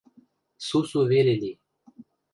Сусу веле ли...